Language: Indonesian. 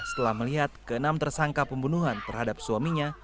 setelah melihat ke enam tersangka pembunuhan terhadap suaminya